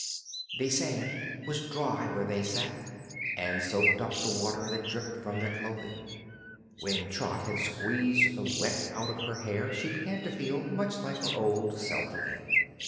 The sand was dry where they sat, and soaked up the water that dripped from their clothing. When Trot had squeezed the wet out of her hair she began to feel much like her old self again.